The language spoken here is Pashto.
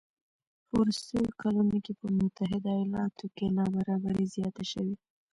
په وروستیو کلونو کې په متحده ایالاتو کې نابرابري زیاته شوې